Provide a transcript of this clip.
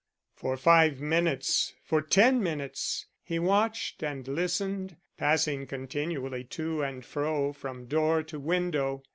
For five minutes, for ten minutes, he watched and listened, passing continually to and fro from door to window.